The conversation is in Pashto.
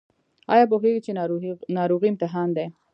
ایا پوهیږئ چې ناروغي امتحان دی؟